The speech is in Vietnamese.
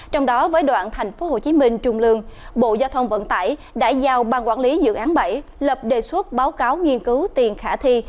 trong đó với đoạn tp hcm trung lương bộ giao thông vận tải đã giao ban quản lý dự án bảy lập đề xuất báo cáo nghiên cứu tiền khả thi